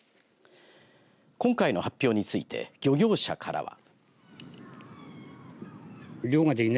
今回の発表について漁業者からは。